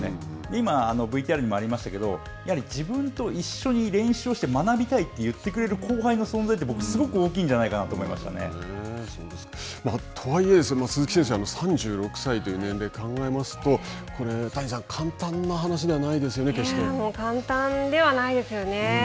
今、ＶＴＲにもありましたけれども、やはり、自分と一緒に練習をして学びたいと言ってくれる後輩の存在は、僕、すごく大きいんじとはいえ、鈴木選手、３６歳という年齢を考えますと、谷さん、簡単な話ではないですよね、決し簡単ではないですよね。